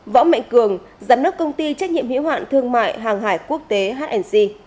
võ mạnh cường giám đốc công ty trách nhiệm hiệu hoạn thương mại hàng hải quốc tế hnc